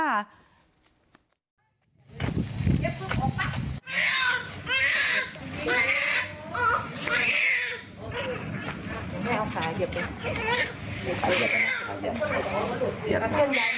เคลื่อนได้ได้ค่ะ